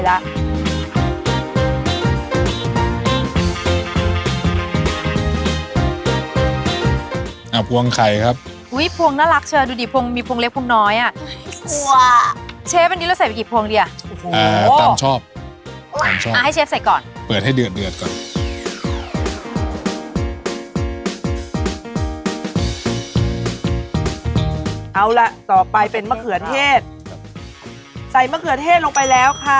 น้ำพวงไข่ครับอุ้ยพวงน่ารักเชิญดูดิพวงมีพวงเล็กพวงน้อยอ่ะไม่กลัวเชฟอันนี้เราใส่ไปกี่พวงดีอ่ะโอ้โหอ่าตามชอบตามชอบอ่าให้เชฟใส่ก่อนเปิดให้เดือดเดือดก่อนเอาละต่อไปเป็นมะเขือเทศใส่มะเขือเทศลงไปแล้วค่ะ